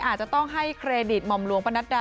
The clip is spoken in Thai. อาจจะต้องให้เครดิตหม่อมหลวงประนัดดา